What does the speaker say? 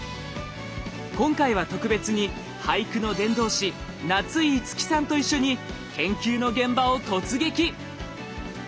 今回は特別に俳句の伝道師夏井いつきさんと一緒に研究の現場を突撃！